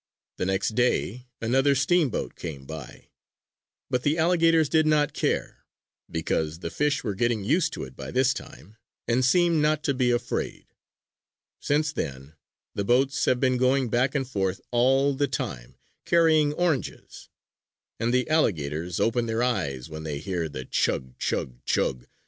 The next day another steamboat came by; but the alligators did not care, because the fish were getting used to it by this time and seemed not to be afraid. Since then the boats have been going back and forth all the time, carrying oranges. And the alligators open their eyes when they hear the _chug! chug! chug!